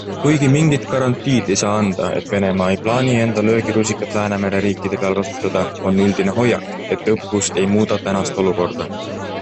Kuigi mingit garantiid ei saa anda, et Venemaa ei plaani enda löögirusikat Läänemere riikide peal kasutada, on üldine hoiak, et õppus ei muuda tänast olukorda.